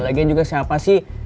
lagian juga siapa sih